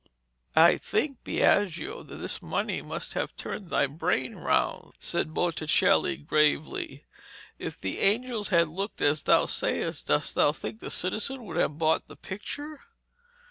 'I think, Biagio, that this money must have turned thy brain round,' said Botticelli gravely. 'If the angels had looked as thou sayest, dost thou think the citizen would have bought the picture?'